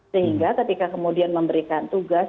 sehingga ketika kemudian memberikan tugas